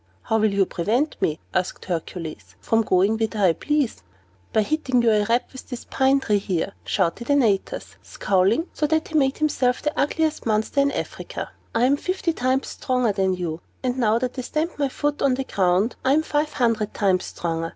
"How will you prevent me," asked Hercules, "from going whither I please?" "By hitting you a rap with this pine tree here," shouted Antaeus, scowling so that he made himself the ugliest monster in Africa. "I am fifty times stronger than you; and now that I stamp my foot upon the ground, I am five hundred times stronger!